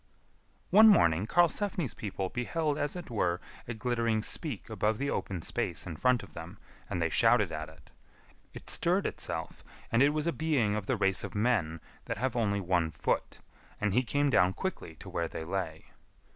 One morning Karlsefni's people beheld as it were a glittering speak above the open space in front of them, and they shouted at it. It stirred itself, and it was a being of the race of men that have only one foot, and he came down quickly to where they lay.